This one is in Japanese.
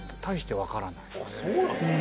あっそうなんですか。